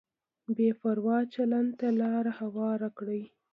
بې پروا چلند ته لار هواره کړي.